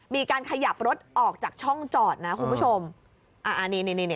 มีการขยับรถออกจากช่องจอดนะคุณผู้ชมอ่าอันนี้นี่นี่